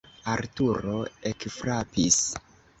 Arturo ekfrapis.